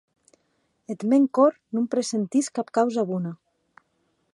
Eth mèn còr non presentís cap causa bona.